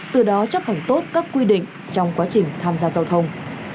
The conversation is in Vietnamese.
từ đó chấp hành tốt các quy định trong quá trình tham gia giao thông